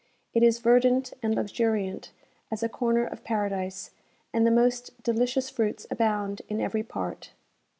It is verdant and luxuriant as a corner of paradise, and the most delicious fruits abound in every part.